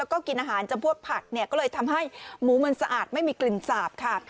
แล้วก็กินอาหารจำพวกผักเนี่ยก็เลยทำให้หมูมันสะอาดไม่มีกลิ่นสาบค่ะ